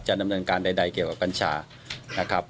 ดำเนินการใดเกี่ยวกับกัญชานะครับ